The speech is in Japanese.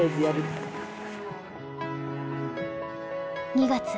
２月。